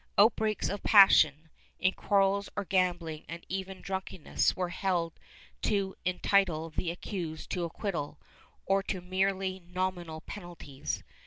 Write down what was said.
Outbreaks of passion, in quarrels or gambling and even drunkenness, were held to entitle the accused to acquittal, or to merely nominal penalties.